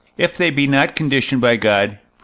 If they be not conditioned by God (Prop.